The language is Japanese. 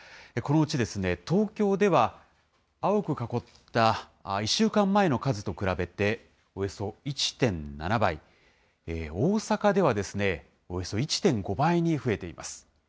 このうち、東京では青く囲った１週間前の数と比べて、およそ１．７倍、大阪ではおよそ１．５倍に増えています。